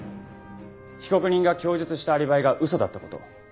被告人が供述したアリバイが嘘だった事。